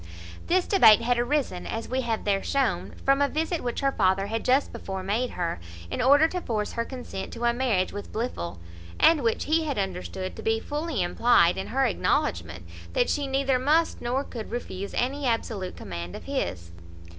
This debate had arisen, as we have there shown, from a visit which her father had just before made her, in order to force her consent to a marriage with Blifil; and which he had understood to be fully implied in her acknowledgment "that she neither must nor could refuse any absolute command of his."